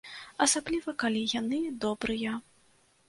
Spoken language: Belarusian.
Асабліва, калі яны добрыя.